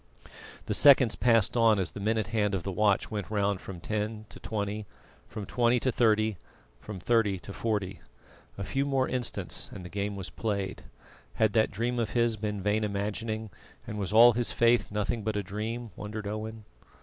The seconds passed on as the minute hand of the watch went round from ten to twenty, from twenty to thirty, from thirty to forty. A few more instants and the game was played. Had that dream of his been vain imagining, and was all his faith nothing but a dream wondered Owen?